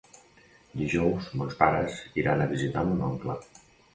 Dijous mons pares iran a visitar mon oncle.